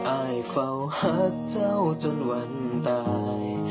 อายเฝ้าหาเจ้าจนวันตาย